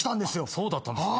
そうだったんですね。